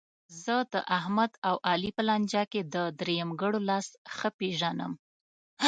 زه داحمد او علي په لانجه کې د درېیمګړو لاس ښه پېژنم.